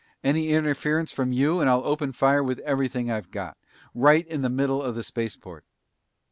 Any interference from you and I'll open fire with everything I've got right in the middle of the spaceport."